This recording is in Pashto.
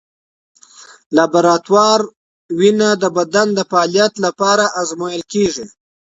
لابراتوار وینه د بدن د فعالیت لپاره ازمویل کېږي.